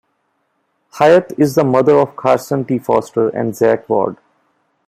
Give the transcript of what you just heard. Hyatt is the mother of Carson T. Foster and Zack Ward.